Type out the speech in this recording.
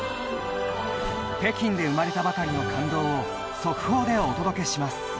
北京で生まれたばかりの感動を速報でお届けします。